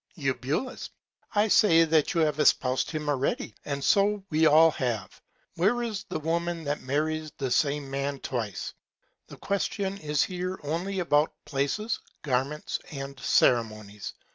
Eu. I say, you have espous'd him already, and so we have all. Where is the Woman that marries the same Man twice? The Question is here only about Places, Garments and Ceremonies.